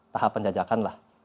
tahap penjajakan lah